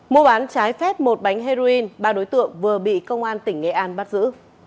mua bán trái phép một bánh heroin ba đối tượng vừa bị công an tỉnh nghệ an bắt giữ